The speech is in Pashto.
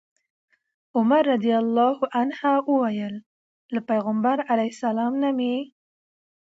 عمر رضي الله عنه وويل: له پيغمبر عليه السلام نه مي